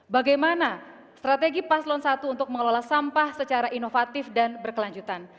bagaimana strategi paslon satu untuk mengelola sampah secara inovatif dan berkelanjutan